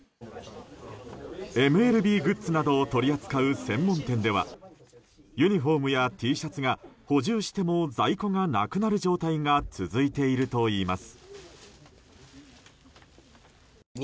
ＭＬＢグッズなどを取り扱う専門店ではユニホームやＴシャツが補充しても在庫がなくなる状態が続いているといいます。